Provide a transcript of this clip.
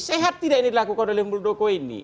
sehat tidak yang dilakukan oleh muldoko ini